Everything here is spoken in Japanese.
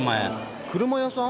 車屋さん？